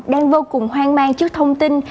đang vô cùng hoang mang trước thông tin